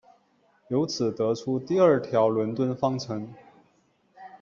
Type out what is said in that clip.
由此得出第二条伦敦方程。